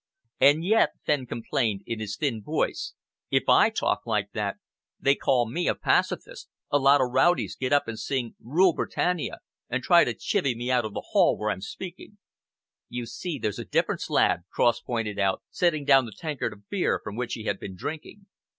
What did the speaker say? "And yet," Fenn complained, in his thin voice, "if I talk like that, they call me a pacifist, a lot of rowdies get up and sing 'Rule Britannia', and try to chivy me out of the hall where I'm speaking." "You see, there's a difference, lad," Cross pointed out, setting down the tankard of beer from which he had been drinking.